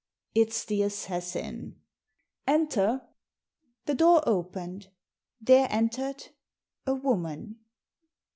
" It's the assassin. Enter." The door opened. There entered — a woman.